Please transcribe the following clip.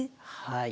はい。